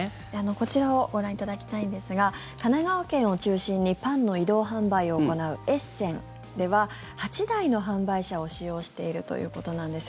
こちらをご覧いただきたいんですが神奈川県を中心にパンの移動販売を行うエッセンでは８台の販売車を使用しているということなんです。